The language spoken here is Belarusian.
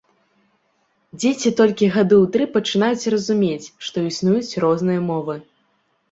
Дзеці толькі гады ў тры пачынаюць разумець, што існуюць розныя мовы.